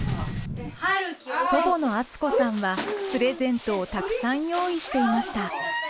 祖母の厚子さんはプレゼントをたくさん用意していました。